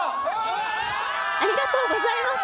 ありがとうございます。